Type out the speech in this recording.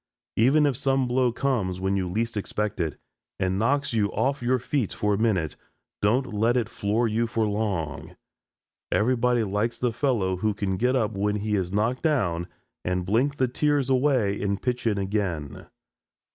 Even if some blow comes when you least expect it, and knocks you off your feet for a minute, don't let it floor you long. Everybody likes the fellow who can get up when he is knocked down and blink the tears away and pitch in again.